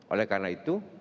oleh karena itu